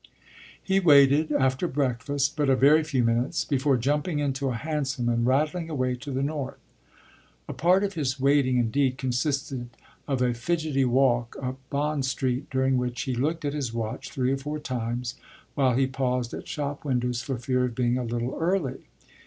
He waited, after breakfast, but a very few minutes before jumping into a hansom and rattling away to the north. A part of his waiting indeed consisted of a fidgety walk up Bond Street, during which he looked at his watch three or four times while he paused at shop windows for fear of being a little early.